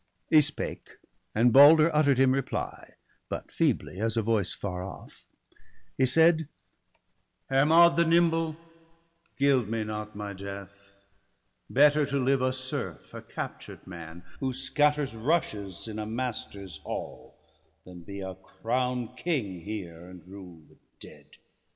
He spake; and Balder utter'd him reply, But feebly, as a voice far off; he said :—' Hermod the nimble, gild me not my death ! Better to live a serf, a captured man. Who scatters rushes in a master's hall, Than be a crown'd king here, and rule the dead.